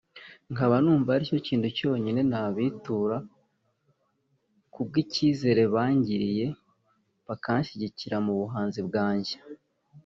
nkaba numva aricyo kintu cyonyine nabitura ku bwicyizere bangiriye bakanshyigikira mu buhanzi bwanjye